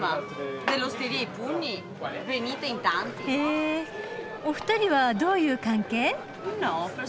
へえお２人はどういう関係？